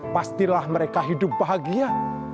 pastilah mereka hidup bahagia